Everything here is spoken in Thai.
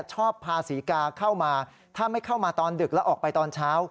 ชอบพาศรีกาเข้ามาถ้าไม่เข้ามาตอนดึกแล้วออกไปตอนเช้า